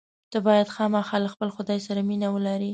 ته باید خامخا له خپل خدای سره مینه ولرې.